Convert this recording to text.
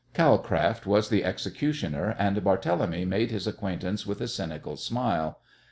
Calcraft was the executioner, and Barthélemy made his acquaintance with a cynical smile.